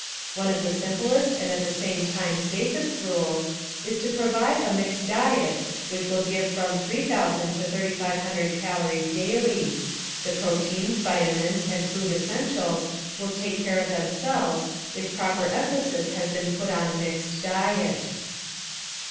One of the simplest and at the same time safest rules is to 'provide a mixed diet which will give from 3,000 to 3,500 calories daily ; the proteins, vitamins and food es entials will take care of themselves if proper emphasis has been put on mixed diet.